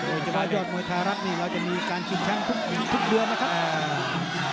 โดยเฉพาะยอดมวยไทยรัฐนี่เราจะมีการชินชั้นพรุ่งถึงทุกเรือนะครับ